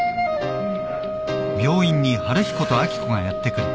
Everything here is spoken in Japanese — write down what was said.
うん？